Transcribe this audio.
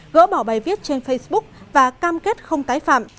gỡ bỏ bài viết trên facebook và cam kết không tái phạm